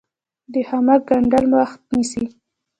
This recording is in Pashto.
د خامک ګنډل وخت نیسي